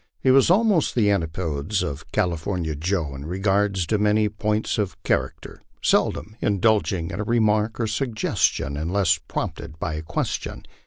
He was almost the antipodes of California Joe in regard to many points of character, seldom indulging in a remark or suggestion unless prompted by a question.